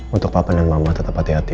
untuk papan dan mama tetap hati hati